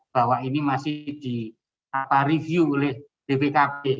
bahwa ini masih di review oleh dpkp